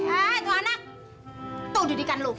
eh itu anak tuh didikan lu